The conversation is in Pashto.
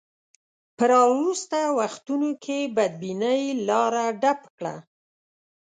په راوروسته وختونو کې بدبینۍ لاره ډب کړه.